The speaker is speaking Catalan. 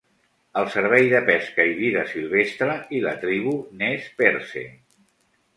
El Servei de pesca i vida silvestre i la tribu Nez Perce.